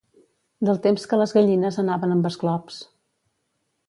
Del temps que les gallines anaven amb esclops.